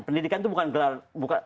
pendidikan itu bukan gelar